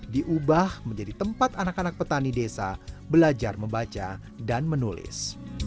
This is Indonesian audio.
diubah menjadi tempat anak anak petani desa belajar membaca dan menulis